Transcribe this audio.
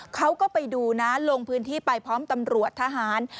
เขาก็ไปดูนะลงพื้นที่ไปพร้อมตำรวจทหาร